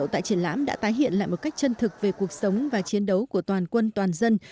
tại triển lãm đã tái hiện lại một cách chân thực về cuộc sống và chiến đấu của toàn quân toàn dân